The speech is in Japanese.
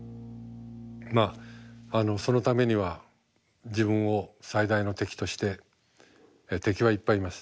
まあそのためには自分を最大の敵として敵はいっぱいいます。